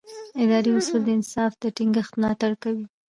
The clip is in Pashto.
اداري اصول د انصاف د ټینګښت ملاتړ کوي.